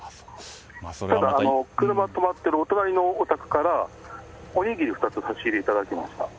あと車止まっているお隣のお宅からおにぎりを２つ差し入れをいただきました。